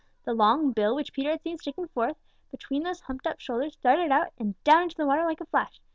The long bill which Peter had seen sticking forth from between those humped up shoulders darted out and down into the water like a flash.